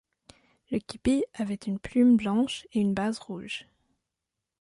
Le képi avait une plume blanche et une base rouge.